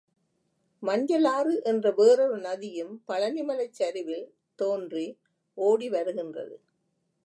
மஞ்சளாறு என்ற வேறொரு நதியும் பழனிமலைச் சரிவில் தோன்றி ஓடி வருகின்றது.